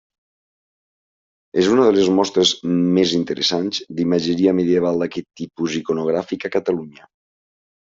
És una de les mostres més interessants d'imatgeria medieval d'aquest tipus iconogràfic a Catalunya.